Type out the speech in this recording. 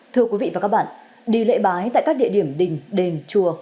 thưa quý vị và các bạn đi lễ bái tại các địa điểm đình đền chùa